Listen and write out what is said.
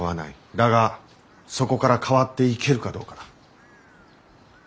だがそこから変わっていけるかどうかだ。